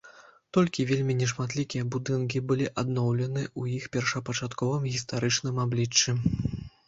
Толькі вельмі нешматлікія будынкі былі адноўлены ў іх першапачатковым гістарычным абліччы.